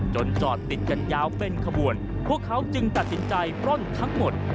จอดติดกันยาวเป็นขบวนพวกเขาจึงตัดสินใจปล้นทั้งหมด